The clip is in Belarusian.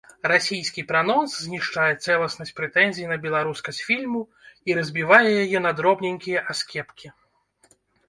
Расійскі пранонс знішчае цэласнасць прэтэнзій на беларускасць фільму і разбівае яе на дробненькія аскепкі.